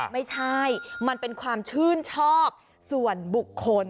ไม่ใช่มันเป็นความชื่นชอบส่วนบุคคล